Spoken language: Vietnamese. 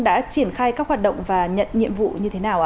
đã triển khai các hoạt động và nhận nhiệm vụ như thế nào ạ